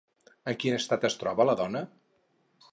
En quin estat es troba la dona?